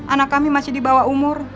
anak kami masih di bawah umur